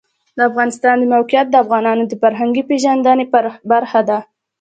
د افغانستان د موقعیت د افغانانو د فرهنګي پیژندنې برخه ده.